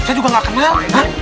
saya juga ga kenal